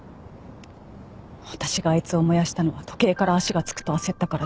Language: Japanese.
私があいつを燃やしたのは時計から足がつくと焦ったからじゃない。